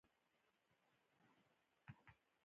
علم پر نر او ښځي فرض دی